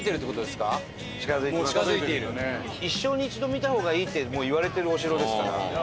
「一生に一度見た方がいい」っていわれてるお城ですから。